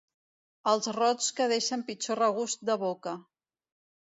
Els rots que deixen pitjor regust de boca.